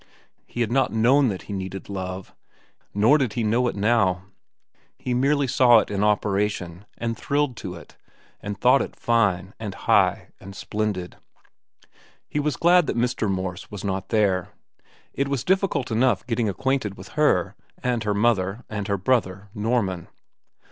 He had not known that he needed love. Nor did he know it now. He merely saw it in operation, and thrilled to it, and thought it fine, and high, and splendid. He was glad that Mr. Morse was not there. It was difficult enough getting acquainted with her, and her mother, and her brother, Norman.